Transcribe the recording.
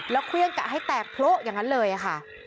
แล้วเครื่องกะให้แตกโละอย่างนั้นเลยค่ะ